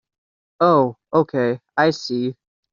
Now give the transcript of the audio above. Oh okay, I see.